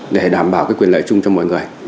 để đảm bảo cái quyền lợi chung cho mọi người